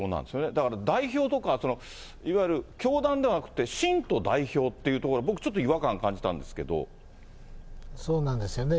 だから代表とか、いわゆる教団ではなくて、信徒代表というところ、僕ちょっと違和感を感じたんですそうなんですよね。